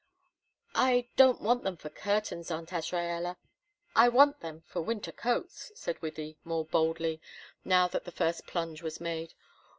"I don't want them for curtains, Aunt Azraella; I want them for winter coats," said Wythie, more boldly, now that the first plunge was made.